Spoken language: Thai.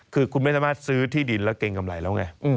คือคุณไม่สามารถซื้อที่ดินแล้วเกรงกำไรแล้วไง